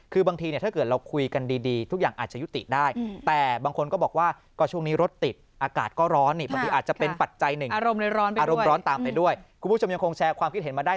คือบางทีเนี่ยถ้าเกิดเราคุยกันดีทุกอย่างอาจจะยุติได้